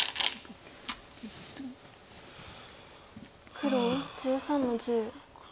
黒１３の十。